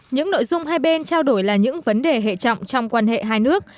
những nội dung hai bên trao đổi là những vấn đề hệ trọng trong quan hệ hai nước